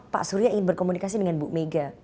secara personal anda ingin berkomunikasi dengan ibu mega